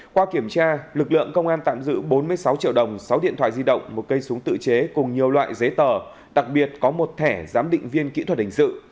qua kiểm tra lực lượng công an tạm giữ bốn mươi sáu triệu đồng sáu điện thoại di động một cây súng tự chế cùng nhiều loại giấy tờ đặc biệt có một thẻ giám định viên kỹ thuật hình sự